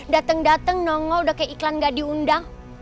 dateng dateng nongol udah kayak iklan nggak diundang